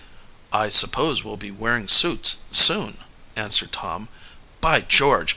"I suppose we'll be wearing suits soon,", answered Tom. "By George!